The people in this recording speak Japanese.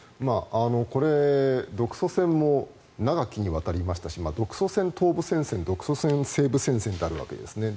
これ、独ソ戦も長きにわたりましたし独ソ戦東部戦線独ソ戦西部戦線ってあるわけですね。